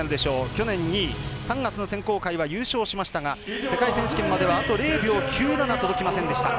去年２位３月の選考会は優勝しましたが世界選手権まではあと０秒９７届きませんでした。